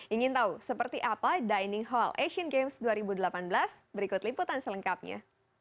ingin tahu seperti apa dining hall asian games dua ribu delapan belas berikut liputan selengkapnya